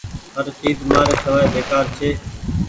هر چئيز مآر سوائي بيڪآر ڇي۔